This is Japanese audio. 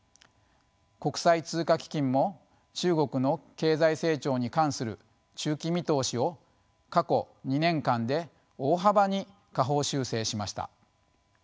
国際通貨基金も中国の経済成長に関する中期見通しを過去２年間で大幅に下方修正しました。